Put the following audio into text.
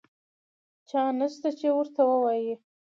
چا نشته چې ورته ووایي.